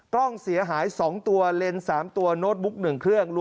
กล้องเสียหาย๒ตัวเลนส์๓ตัวโน้ตบุ๊ก๑เครื่อง